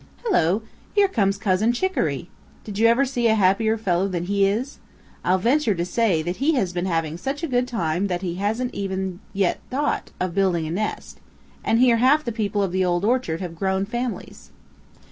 Hello! Here comes Cousin Chicoree. Did you ever see a happier fellow than he is? I'll venture to say that he has been having such a good time that he hasn't even yet thought of building a nest, and here half the people of the Old Orchard have grown families.